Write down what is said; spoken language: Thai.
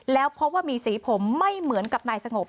แล้วพบว่ามีสีผมไม่เหมือนกับนายสงบ